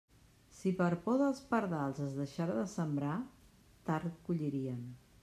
Si per por dels pardals es deixara de sembrar, tard collirien.